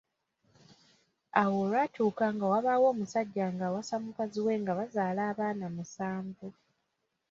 Awo olwatuuka nga wabaawo omusajja ng’awasa mukazi we nga bazaala abaana musanvu.